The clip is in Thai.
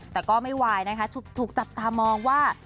แต่ก็ไม่ไหวนะคะถูกจับตามองว่า